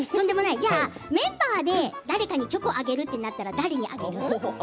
じゃあメンバーで誰かにチョコをあげるとなったら誰にあげる？